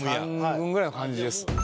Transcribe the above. ３軍ぐらいの感じです。